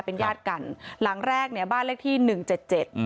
เป็นญาติกันหลังแรกเนี่ยบ้านเลขที่หนึ่งเจ็ดเจ็ด